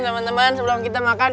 teman teman sebelum kita makan